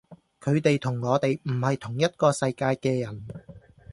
佢哋同我哋唔係同一個世界嘅人